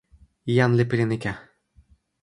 jan li pilin ike.